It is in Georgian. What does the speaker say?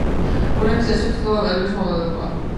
ბუნების დაცვა თითოეული ადამიანის მოვალეობაა.